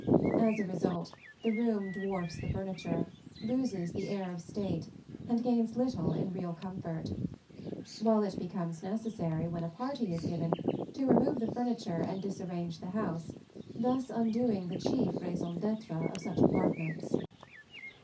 As a result the room dwarfs the furniture, loses the air of state, and gains little in real comfort; while it becomes necessary, when a party is given, to remove the furniture and disarrange the house, thus undoing the chief raison d'être of such apartments.